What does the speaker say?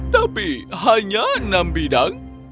tapi hanya enam bidang